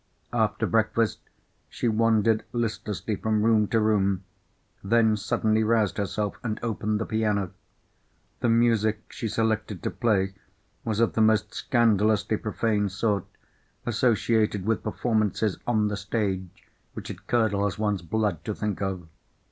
After breakfast she wandered listlessly from room to room—then suddenly roused herself, and opened the piano. The music she selected to play was of the most scandalously profane sort, associated with performances on the stage which it curdles one's blood to think of.